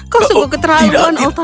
kau sungguh keterlaluan olton